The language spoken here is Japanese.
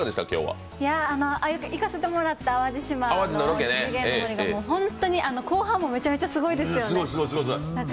行かせてもらった淡路島のニジゲンノモリが本当に、後半もめちゃめちゃすごいですよね。